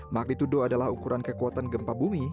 magnitudo adalah ukuran kekuatan gempa bumi